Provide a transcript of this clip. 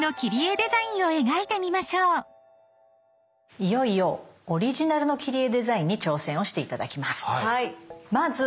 いよいよオリジナルの切り絵デザインに挑戦をして頂きます。